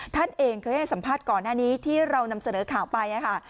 ท่านเองเคยให้สัมภาษณ์ก่อนหน้านี้ที่เรานำเสนอข่าวไปค่ะ